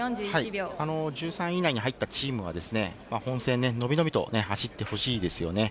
１３位以内に入ったチームは本選、のびのびと走ってほしいですよね。